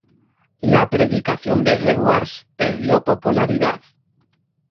La predicación de Edwards perdió popularidad.